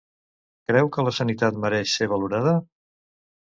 Creu que la sanitat mereix ser valorada?